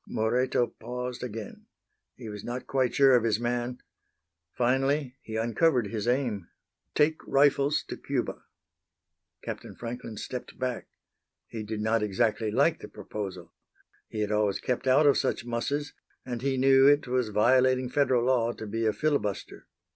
Moreto paused again. He was not quite sure of his man. Finally he uncovered his aim: "Take rifles to Cuba." Captain Franklin stepped back. He did not exactly like the proposal. He had always kept out of such musses, and he knew it was violating Federal law to be a filibuster.